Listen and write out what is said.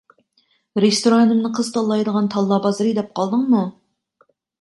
رېستورانىمنى قىز تاللايدىغان تاللا بازىرى دەپ قالدىڭمۇ؟